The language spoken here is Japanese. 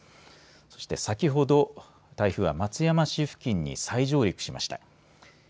そして先ほど台風は松山市付近に再上陸しました。